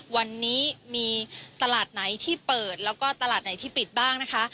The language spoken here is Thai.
วันนี้มีตลาดไหนที่เปิดแล้วก็ตลาดไหนที่ปิดบ้างนะคะ